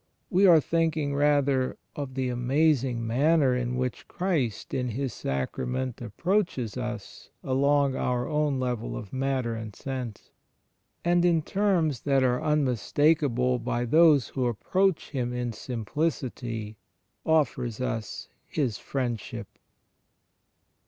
We are thinking rather of the amazing manner in which Christ in His Sacrament approaches us along our own level of matter and sense; and, in terms that are unmistakable by those who approach Him in simplicity, offers us His Friendship.